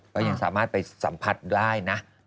ก็ยังสามารถไปสัมผัสได้นะ